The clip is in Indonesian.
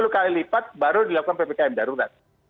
sepuluh kali lipat baru dilakukan ppkm darurat